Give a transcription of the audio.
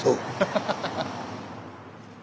ハハハハハ！